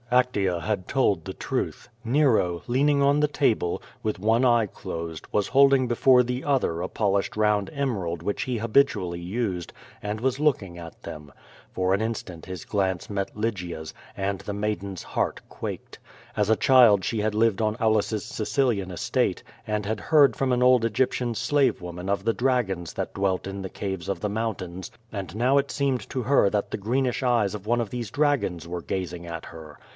Actea had told the truth. Nero, leaning on the table, with one eye closed, was holding before the other a polished round emerald which he habitually used, and was looking at them. For an instant his glance met Lygia's, and the maiden's heart quaked. As a child she had lived on Aulus's Sicilian estate, and had heard from an old Egyptian slave woman of the dragons that dwelt in the caves of the mountains, and now it seemed to her that the greenish eyes of one of these dragons were gazing at her.